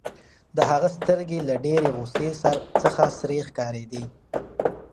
د هغه سترګې له ډېرې غوسې څخه سرې ښکارېدې.